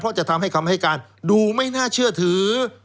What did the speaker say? เพราะจะทำให้คำให้การดูไม่น่าเชื่อถือ